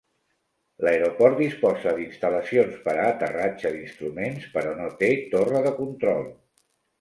L'aeroport disposa d'instal·lacions per a aterratge d'instruments, però no té Torre de control.